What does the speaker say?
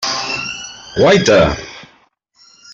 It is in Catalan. Guaita!